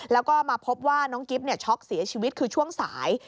แล้วก็มาพบว่าน้องกิ๊บช็อกเสียชีวิตคือช่วงสาย